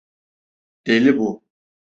Deli bu.